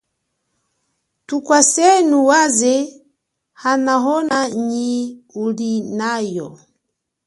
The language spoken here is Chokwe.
Thukwasenu waze anahona nyi ulinayo.